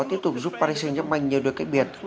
tiếp tục giúp paris saint germain nhớ được cách biệt